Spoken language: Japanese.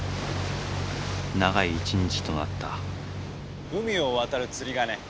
長い一日となった海を渡る釣り鐘。